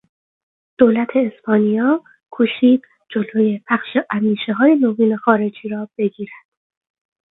دولت اسپانیا کوشید جلو پخش اندیشههای نوین خارجی را بگیرد.